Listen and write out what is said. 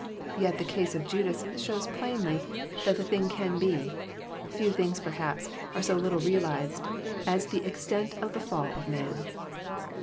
Yet the case of Judas shows plainly that the thing can be. Few things, perhaps, are so little realized as the extent of the fall of man.